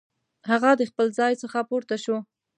هغه د خپل ځای څخه پورته شو.